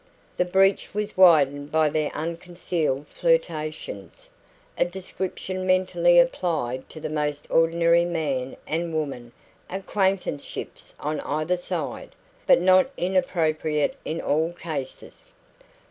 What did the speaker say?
The breach was widened by their unconcealed flirtations a description mentally applied to the most ordinary man and woman acquaintanceships on either side, but not inappropriate in all cases.